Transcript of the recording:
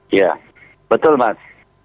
iya betul mas